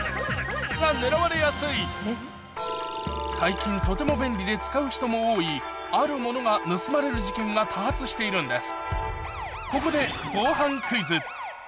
最近とても便利で使う人も多いあるものが盗まれる事件が多発しているんです